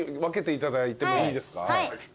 はい。